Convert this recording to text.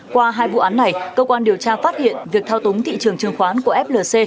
qua hai vụ án này cơ quan điều tra phát hiện việc thao túng thị trường chứng khoán của flc